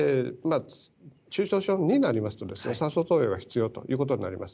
中等症２になると酸素投与が必要ということになります。